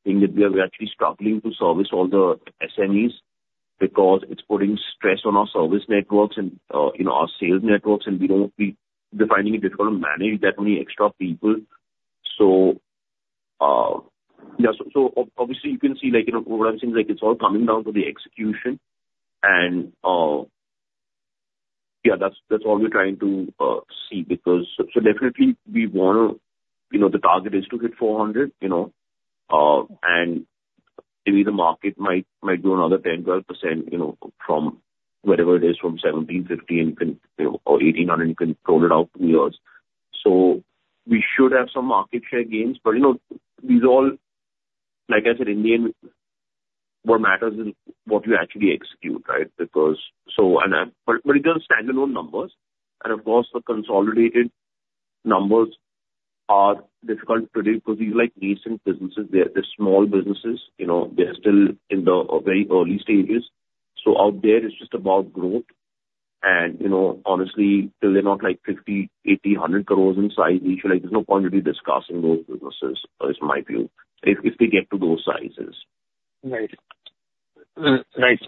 thing, that we are actually struggling to service all the SMEs because it's putting stress on our service networks and, you know, our sales networks, and we don't, we're finding it difficult to manage that many extra people. So, obviously, you can see, like, you know, overall, it seems like it's all coming down to the execution, and, yeah, that's, that's all we're trying to see because... So definitely we wanna, you know, the target is to hit 400, you know, and maybe the market might grow another 10%-12%, you know, from whatever it is, from 1,750, and, you know, or 1,800, you can roll it out over the years. So we should have some market share gains, but, you know, these are all, like I said, in the end, what matters is what you actually execute, right? Because, but it is standalone numbers, and of course, the consolidated numbers are difficult to predict, because these are, like, recent businesses. They're small businesses, you know, they're still in the very early stages. So out there, it's just about growth and, you know, honestly, till they're not, like, 50 crore, 80 crore, 100 crore in size, we feel like there's no point to be discussing those businesses, is my view, if, if they get to those sizes. Right. Right.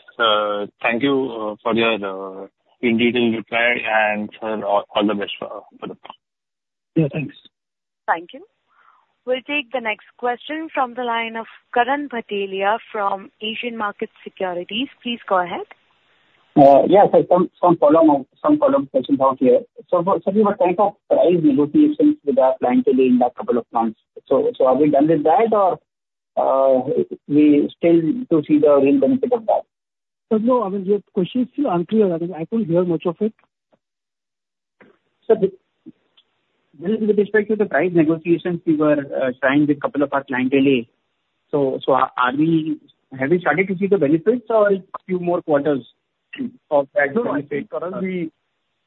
Thank you for your in detail reply and for all the best for the firm. Yeah, thanks. Thank you. We'll take the next question from the line of Karan Bhatelia from Asian Markets Securities. Please go ahead. Yeah, so some problem out here. So, what type of price negotiations with our client in the couple of months? So, are we done with that, or we still to see the real benefit of that? So no, I mean, your question is still unclear. I mean, I couldn't hear much of it. Sir, with respect to the price negotiations, we were signed with a couple of our clients daily, so, are we... Have we started to see the benefits or a few more quarters of that? Karan,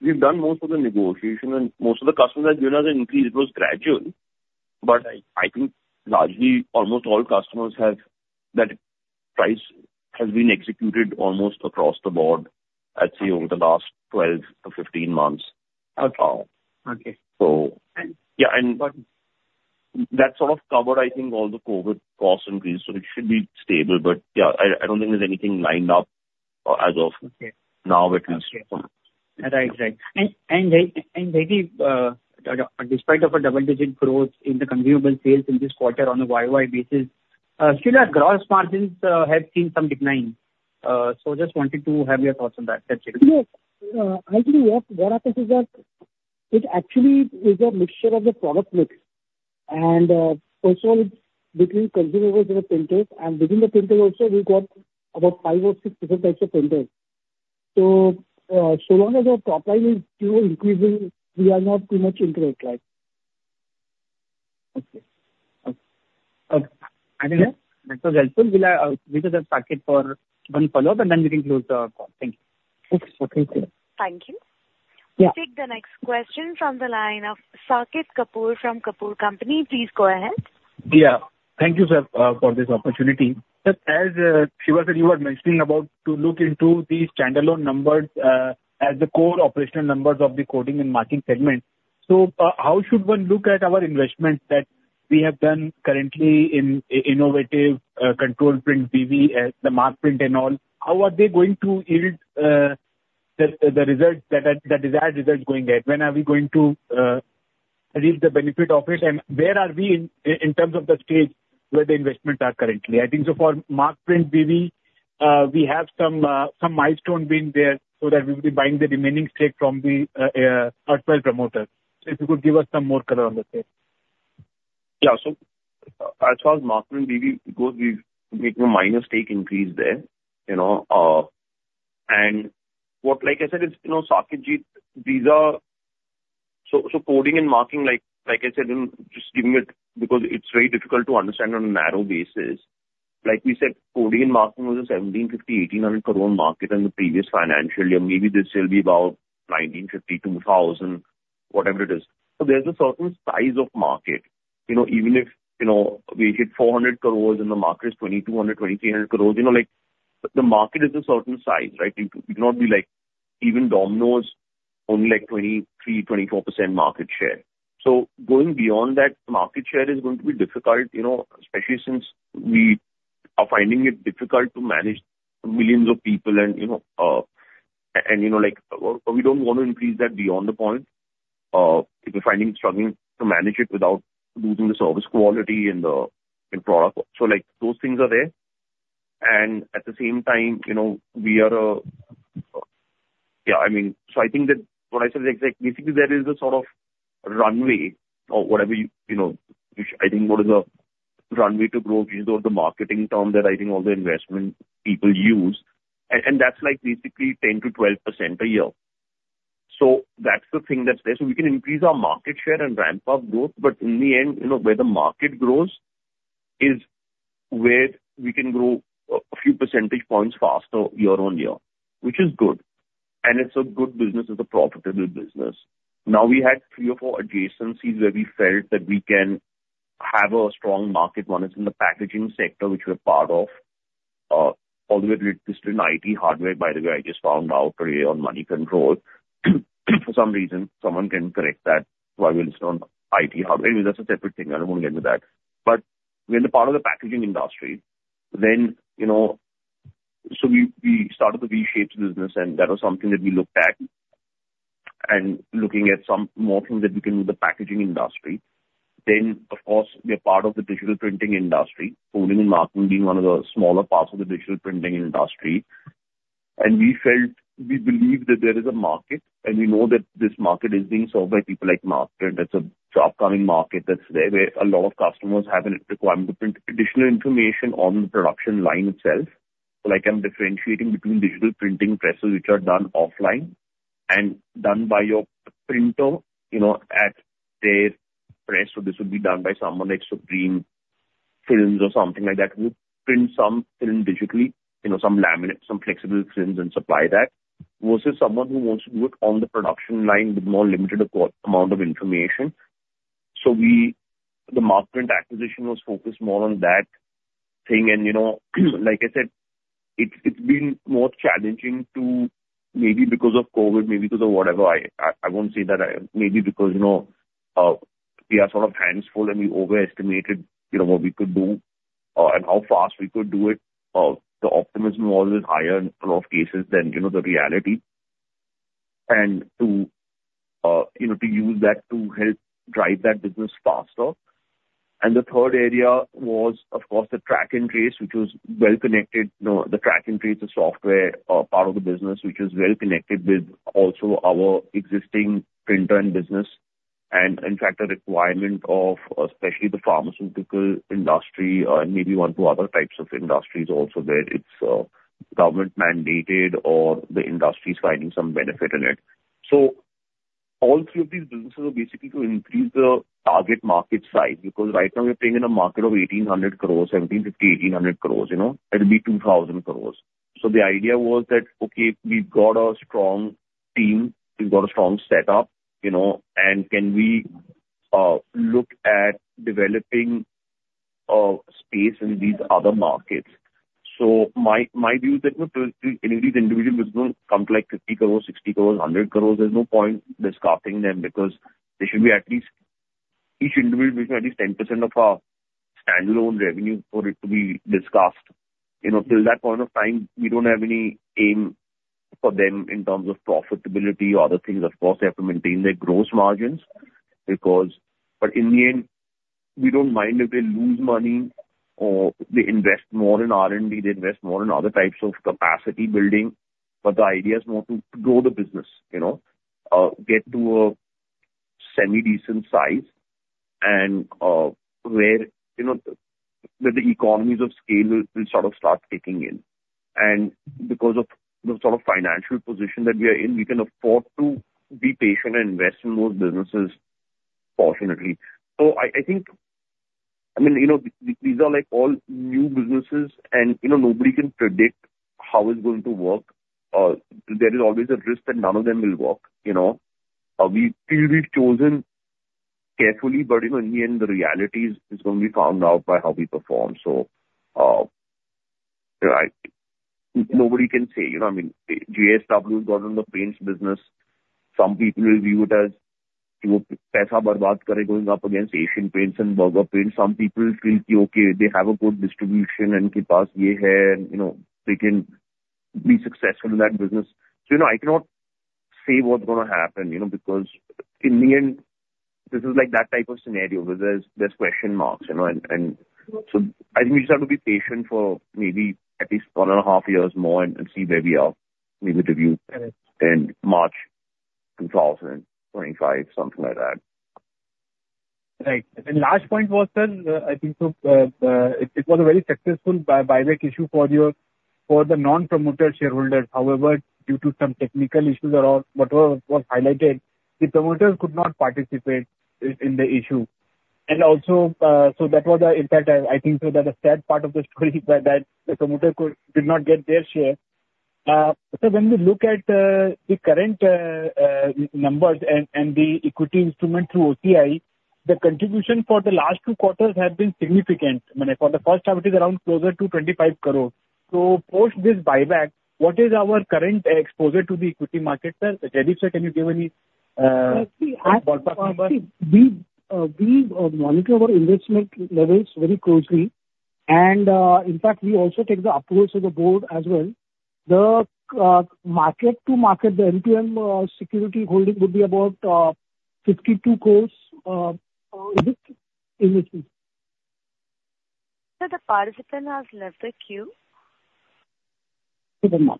we've done most of the negotiation and most of the customers have given us an increase. It was gradual, but I think largely almost all customers have, that price has been executed almost across the board, I'd say, over the last 12-15 months. Okay. Okay. So, yeah, and- Got you. that sort of covered, I think, all the COVID cost increase, so it should be stable, but yeah, I, I don't think there's anything lined up, as of- Okay. now at least. Okay. Right. Right. And despite of a double-digit growth in the consumables sales in this quarter on a YoY basis, still our gross margins have seen some decline. So just wanted to have your thoughts on that. That's it. Yes. Actually, what happens is that it actually is a mixture of the product mix, and, first of all, it's between consumables and the printers. And within the printer also, we've got about five or six different types of printers.... So, so long as our profit is, you know, increasing, we are not too much into it, right? Okay. Okay. I think that was helpful. We'll have, we'll just pocket for one follow-up, and then we can close the call. Thank you. Okay. Thank you. Thank you. Yeah. Take the next question from the line of Saket Kapoor from Kapoor & Co. Please go ahead. Yeah. Thank you, sir, for this opportunity. But as Shiva said, you were mentioning about to look into these standalone numbers, as the core operational numbers of the coding and marking segment. So, how should one look at our investments that we have done currently in Innovative, Control Print B.V., the Markprint and all? How are they going to yield the results that are the desired results going there? When are we going to reap the benefit of it, and where are we in terms of the stage where the investments are currently? I think so far, Markprint B.V., we have some milestone been there so that we'll be buying the remaining stake from the erstwhile promoter. So if you could give us some more color on the same. Yeah. So as far as Markprint B.V., because we've made a minor stake increase there, you know, and what—like I said, it's, you know, Saket Ji, these are... So, so coding and marking, like, like I said, and just giving it, because it's very difficult to understand on a narrow basis. Like we said, coding and marking was an 1,750 crore-1,800 crore market in the previous financial year. Maybe this will be about 1,950-2,000, whatever it is. So there's a certain size of market, you know, even if, you know, we hit 400 crore and the market is 2,200 crore- 2,300 crore, you know, like, the market is a certain size, right? It would not be like even Domino's, only like 23%-24% market share. So going beyond that market share is going to be difficult, you know, especially since we are finding it difficult to manage millions of people and, you know, and, you know, like, we don't want to increase that beyond the point, because we're finding, struggling to manage it without losing the service quality and the product. So, like, those things are there. And at the same time, you know, we are... Yeah, I mean, so I think that what I said is exact. Basically, there is a sort of runway or whatever you know, which I think what is the runway to grow, which is all the marketing term that I think all the investment people use, and that's like basically 10%-12% a year. So that's the thing that's there. So we can increase our market share and ramp up growth, but in the end, you know, where the market grows is where we can grow a, a few percentage points faster year-on-year, which is good, and it's a good business, it's a profitable business. Now, we had three or four adjacencies where we felt that we can have a strong market. One is in the packaging sector, which we're part of, although it's listed in IT hardware, by the way, I just found out today on Moneycontrol. For some reason, someone can correct that, why we listed on IT hardware. That's a separate thing, I don't want to get into that. But we're the part of the packaging industry. Then, you know, so we started the V-Shapes business, and that was something that we looked at, and looking at some more things that we can do with the packaging industry. Then, of course, we are part of the digital printing industry, coding and marking being one of the smaller parts of the digital printing industry. And we felt, we believe that there is a market, and we know that this market is being served by people like Markprint. That's a growing market that's there, where a lot of customers have a requirement to print additional information on the production line itself. Like, I'm differentiating between digital printing presses, which are done offline and done by your printer, you know, at their press. So this would be done by someone like Supreme Films or something like that, who print some film digitally, you know, some laminate, some flexible films and supply that, versus someone who wants to do it on the production line with more limited amount of information. So, the Markprint acquisition was focused more on that thing. And, you know, like I said, it's, it's been more challenging to, maybe because of COVID, maybe because of whatever, I won't say that I... Maybe because, you know, we are sort of hands full, and we overestimated, you know, what we could do, and how fast we could do it. The optimism was higher in a lot of cases than, you know, the reality. And to, you know, to use that to help drive that business faster. And the third area was, of course, the track and trace, which was well connected. You know, the track and trace, the software, part of the business, which is well connected with also our existing printer and business, and in fact, a requirement of especially the pharmaceutical industry, and maybe one, two other types of industries also, where it's, government mandated or the industry is finding some benefit in it. So all three of these businesses are basically to increase the target market size, because right now we're playing in a market of 1,800 crore, 1,750 crore, 1,800 crore, you know, it'll be 2,000 crore. So the idea was that, okay, we've got a strong team, we've got a strong setup, you know, and can we, look at developing, space in these other markets? So my view is that, you know, any of these individual business come to like 50 crore, 60 crore, 100 crore, there's no point discussing them because they should be at least, each individual, at least 10% of our standalone revenue for it to be discussed. You know, till that point of time, we don't have any aim for them in terms of profitability or other things. Of course, they have to maintain their gross margins because... But in the end, we don't mind if they lose money or they invest more in R&D, they invest more in other types of capacity building, but the idea is more to grow the business, you know. Get to a semi-decent size and, where, you know, where the economies of scale will sort of start kicking in. And because of the sort of financial position that we are in, we can afford to be patient and invest in those businesses, fortunately. So I think, I mean, you know, these are like all new businesses and, you know, nobody can predict how it's going to work. There is always a risk that none of them will work, you know. We still have chosen carefully, but, you know, in the end, the reality is going to be found out by how we perform. So, right, nobody can say. You know what I mean? JSW has got in the paints business. Some people will view it as going up against Asian Paints and Berger Paints. Some people feel, okay, they have a good distribution and, you know, they can be successful in that business. So, you know, I cannot say what's gonna happen, you know, because in the end, this is like that type of scenario where there's question marks, you know, and so I think we just have to be patient for maybe at least one and a half years more and see where we are. Maybe to review in March 2025, something like that. Right. Last point was, sir, I think, it was a very successful buyback issue for the non-promoter shareholders. However, due to some technical issues or what was highlighted, the promoters could not participate in the issue. And also, so that was the impact, I think, so that the sad part of the story that the promoter could not get their share. So when we look at the current numbers and the equity instrument through FVTOCI, the contribution for the last two quarters have been significant. I mean, for the first time, it is around closer to 25 crore. So post this buyback, what is our current exposure to the equity market, sir? Jaideep sir, can you give any ballpark number? We monitor our investment levels very closely, and in fact, we also take the approvals of the board as well. The mark-to-market, the MTM, security holding would be about INR 52 crore in equity. Sir, the participant has left the queue.... Hello?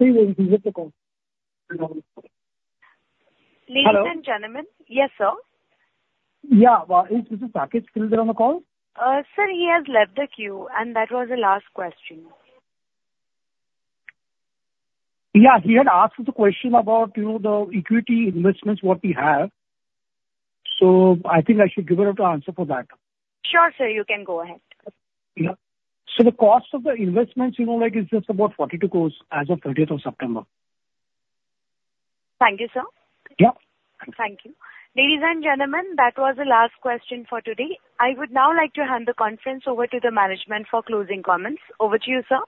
Ladies and gentlemen. Yes, sir. Yeah. Is Saket still there on the call? Sir, he has left the queue, and that was the last question. Yeah, he had asked the question about, you know, the equity investments, what we have. I think I should be able to answer for that. Sure, sir, you can go ahead. Yeah. So the cost of the investments, you know, like, is just about 42 crore as of 30th of September. Thank you, sir. Yeah. Thank you. Ladies and gentlemen, that was the last question for today. I would now like to hand the conference over to the management for closing comments. Over to you, sir.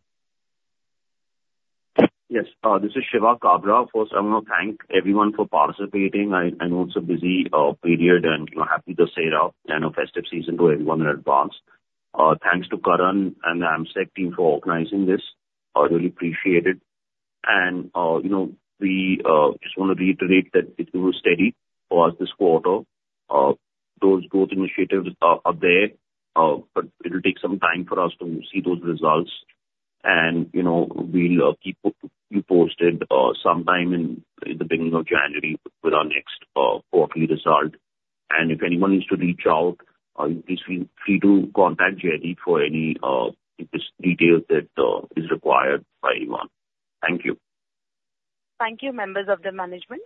Yes, this is Shiva Kabra. First, I want to thank everyone for participating. I know it's a busy period, and, you know, happy Diwali and festive season to everyone in advance. Thanks to Karan and the AMSEC team for organizing this. I really appreciate it. And, you know, we just want to reiterate that it was steady for us this quarter. Those growth initiatives are there, but it will take some time for us to see those results. And, you know, we'll keep you posted sometime in the beginning of January with our next quarterly result. And if anyone needs to reach out, please feel free to contact Jaideep Barve for any details that is required by anyone. Thank you. Thank you, members of the management.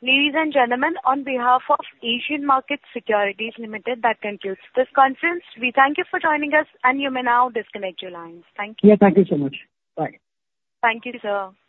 Ladies and gentlemen, on behalf of Asian Markets Securities Limited, that concludes this conference. We thank you for joining us, and you may now disconnect your lines. Thank you. Yeah, thank you so much. Bye. Thank you, sir.